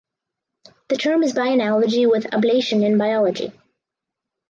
The term is by analogy with ablation in biology.